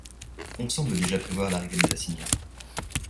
On semble déjà prévoir l'arrivée des assignats.